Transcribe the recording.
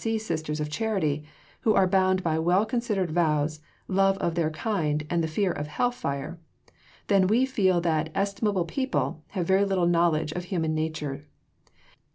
C. Sisters of Charity, who are bound by well considered vows, love of their kind and the fear of Hell fire, then we feel that the "estimable people" have very little knowledge of human nature.